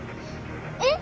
えっ？